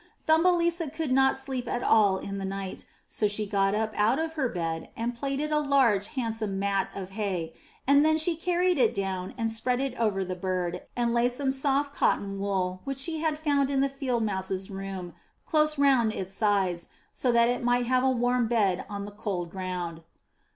Thumbelisa could not sleep at all in the night, so she got up out of her bed and plaited a large, handsome mat of hay and then she carried it down and spread it all over the bird, and laid some soft cotton wool which she had found in the Field Mouse's room close round its sides, so that it might have a warm bed on the cold ground.